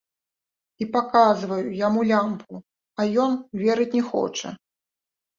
І паказваю яму лямпу, а ён верыць не хоча.